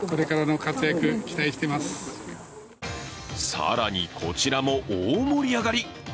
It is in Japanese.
更に、こちらも大盛り上がり。